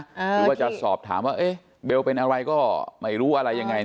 หรือว่าจะสอบถามว่าเฮ้เบลแปลงเป็นอะไรก็ไม่รู้อะไรยังไงเนี่ย